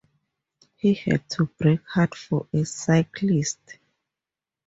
He had to brake hard for a cyclist.